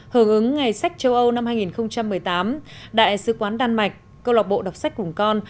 hợp ứng ngày sách châu âu năm hai nghìn một mươi tám đại sứ quán đan mạch cơ lọc bộ đọc sách cùng con